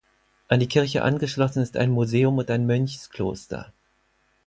An die Kirche angeschlossen ist ein Museum und ein Mönchskloster.